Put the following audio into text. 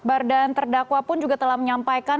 bardan terdakwa pun juga telah menyampaikan